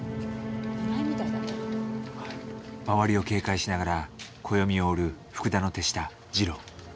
周りを警戒しながら暦を売る福田の手下二郎。